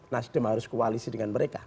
nasdem harus koalisi dengan mereka